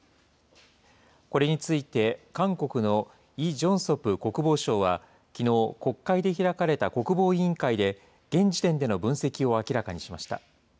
これについて、韓国のイ・ジョンソプ国防相はきのう、国会で開かれた国防委員会で、現時点での分析を明らかにしました。